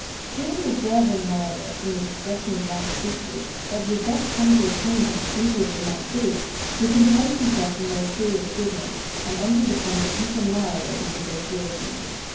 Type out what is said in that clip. Clearly observing, however, from the expression in Ralph's features, that he had best come to the point as speedily as might be, he composed himself for more serious business, and entered upon the pith and marrow of his negotiation.